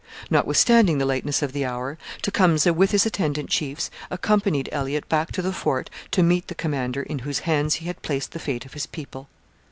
Notwithstanding the lateness of the hour, Tecumseh with his attendant chiefs accompanied Elliott back to the fort to meet the commander in whose hands he had placed the fate of his people.